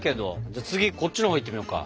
じゃあ次こっちのほういってみようか。